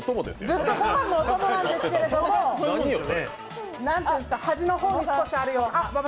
ずっとごはんのお供なんですけど、なんていうんですか、端の方に少しあるような。